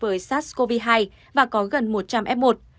với sars cov hai và có gần một trăm linh f một